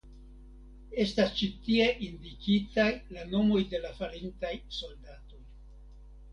Estas ĉi tie indikitaj la nomoj de la falintaj soldatoj.